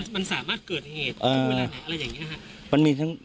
มันสามารถเกิดเหตุถึงเวลาไหนอะไรอย่างนี้ครับ